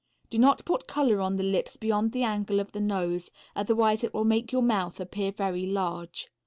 Do not put color on the lips beyond the angle of the nose, otherwise it will make your mouth appear very large.